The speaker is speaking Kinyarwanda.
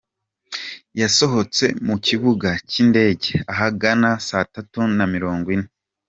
Yasohotse mu kibuga cy’indege ahagana saa tatu na mirongo ine.